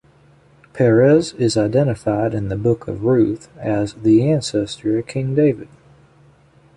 Perez is identified in the Book of Ruth as the ancestor of King David.